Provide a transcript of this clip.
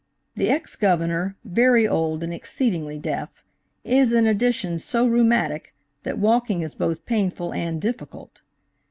The ex Governor, very old and exceedingly deaf, is in addition so rheumatic that walking is both painful and difficult.